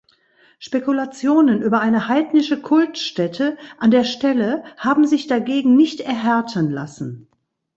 Spekulationen über eine heidnische Kultstätte an der Stelle haben sich dagegen nicht erhärten lassen.